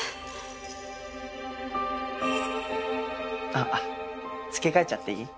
あっ付け替えちゃっていい？